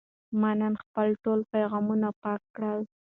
ما نن خپل ټول پیغامونه پاک کړل.